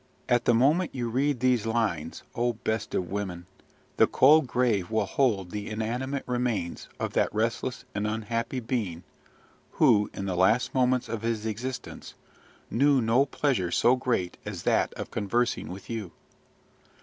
At the moment you read these lines, O best of women, the cold grave will hold the inanimate remains of that restless and unhappy being who, in the last moments of his existence, knew no pleasure so great as that of conversing with you!